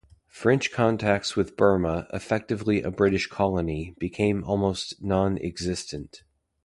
French contacts with Burma, effectively a British colony, became almost non-existent.